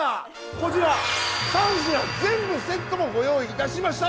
こちら３品全部セットもご用意いたしました！